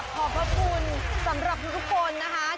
ขอบพระพุทธสำหรับทุกคนนะครับ